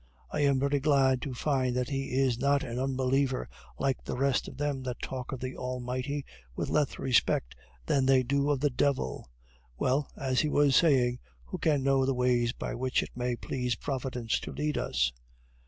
"I am very glad to find that he is not an unbeliever like the rest of them that talk of the Almighty with less respect than they do of the Devil. Well, as he was saying, who can know the ways by which it may please Providence to lead us?"